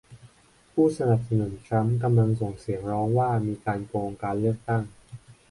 ผู้สนับสนุนทรัมป์กำลังส่งเสียงร้องว่ามีการโกงการเลือกตั้ง